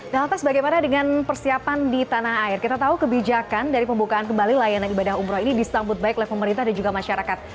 nah lantas bagaimana dengan persiapan di tanah air kita tahu kebijakan dari pembukaan kembali layanan ibadah umroh ini disambut baik oleh pemerintah dan juga masyarakat